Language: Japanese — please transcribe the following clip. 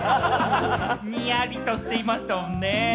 ニヤリとしていましたもんね。